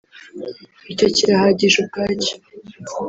icyo kirahagije ubwacyo